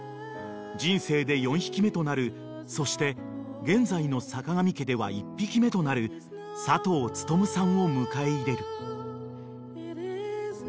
人生で４匹目となるそして現在の坂上家では１匹目となる佐藤ツトムさんを迎え入れる］